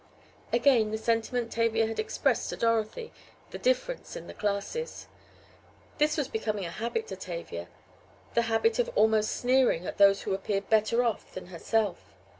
Again the sentiment Tavia had expressed to Dorothy: the difference in the classes. This was becoming a habit to Tavia, the habit of almost sneering at those who appeared better off than herself.